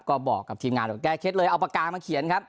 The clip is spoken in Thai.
ก็บอกกับทีมงานบอกแก้เคล็ดเลยเอาปากกามาเขียนครับ